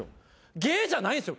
芸じゃないんですよ